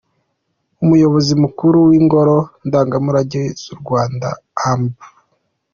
Umuyobozi Mukuru w’Ingoro Ndangamurage z’u Rwanda, Amb.